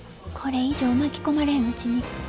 これ以上巻き込まれんうちに。